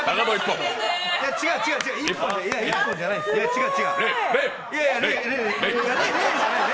違う、違う。